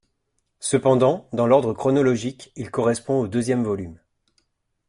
Cependant, dans l'ordre chronologique, il correspond au deuxième volume.